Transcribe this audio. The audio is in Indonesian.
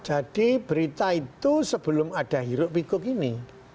jadi berita itu sebelum ada hirup hikup ini